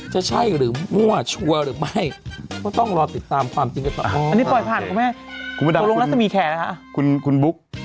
ขอบคุณพี่บุ๊คนะครับแล้วสมียแขนะครับ